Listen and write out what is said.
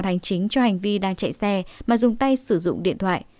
hành chính cho hành vi đang chạy xe mà dùng tay sử dụng điện thoại